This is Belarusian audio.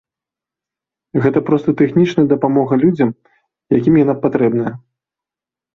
Гэта проста тэхнічная дапамога людзям, якім яна патрэбная.